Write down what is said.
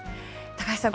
高橋さん